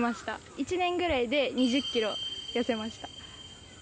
１年ぐらいで２０キロ痩せました。